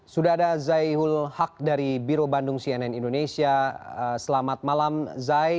sudah ada zaihul haq dari biro bandung cnn indonesia selamat malam zai